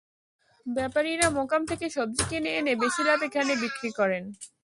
ব্যাপারিরা মোকাম থেকে সবজি কিনে এনে বেশি লাভে এখানে বিক্রি করেন।